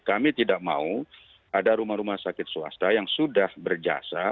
kami tidak mau ada rumah rumah sakit swasta yang sudah berjasa